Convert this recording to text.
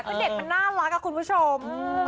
พี่นุ่นมันน่ารักอะคุณผู้ชม